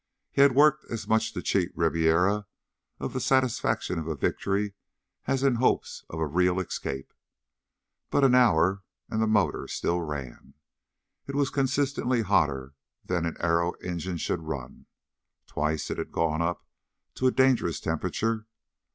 He had worked as much to cheat Ribiera of the satisfaction of a victory as in hopes of a real escape. But an hour, and the motor still ran. It was consistently hotter than an aero engine should run. Twice it had gone up to a dangerous temperature.